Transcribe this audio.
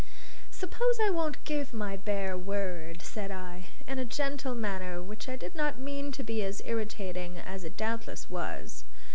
"Suppose I won't give my bare word?" said I, in a gentle manner which I did not mean to be as irritating as it doubtless was.